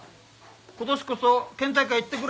今年こそ県大会行ってくれよ。